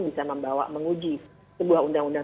bisa membawa menguji sebuah undang undang